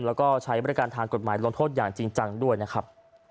แล้วก็ใช้บริการทางกฎหมายลงโทษอย่างจริงจังด้วยนะครับ